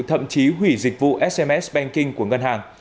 thậm chí hủy dịch vụ sms banking của ngân hàng